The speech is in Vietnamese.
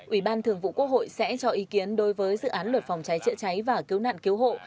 ủy ban thường vụ quốc hội sẽ cho ý kiến đối với dự án luật phòng cháy chữa cháy và cứu nạn cứu hộ